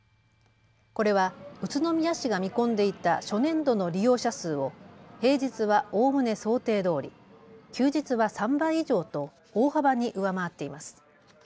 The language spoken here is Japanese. これは宇都宮市が見込んでいた初年度の利用者数を平日はおおむね想定どおり、休日は３倍以上と大幅に上回っています。